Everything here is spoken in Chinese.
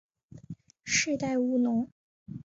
世代务农。